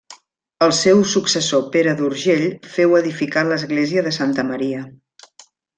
El seu successor Pere d'Urgell feu edificar l'església de Santa Maria.